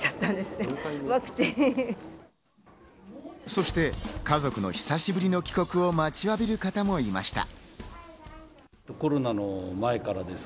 そして家族の久しぶりの帰国を待ちわびる方もいました。